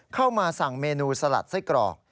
เข้ามาสั่งเมนูสลัดไส้กรอก